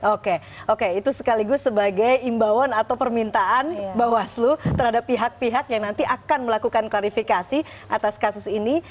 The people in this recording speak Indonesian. oke oke itu sekaligus sebagai imbauan atau permintaan bawaslu terhadap pihak pihak yang nanti akan melakukan klarifikasi atas kasus ini